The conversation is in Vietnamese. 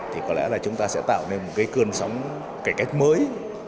thì có lẽ là chúng ta sẽ tạo nên một cái cơn sóng cải cách mới